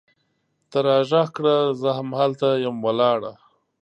ته راږغ کړه! زه هم هلته یم ولاړه